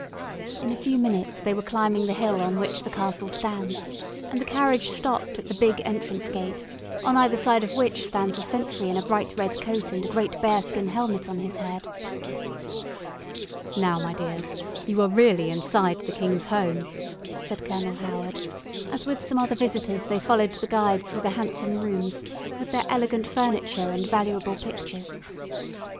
In a few minutes they were climbing the hill on which the castle stands, and the carriage stopped at the big entrance gate, on either side of which stands a sentry in a bright red coat and a great bearskin helmet on his head. [Illustration: WINDSOR CASTLE] "Now, my dears, you are really inside the king's home," said Colonel Howard, as with some other visitors they followed the guide through the handsome rooms, with their elegant furniture and valuable pictures.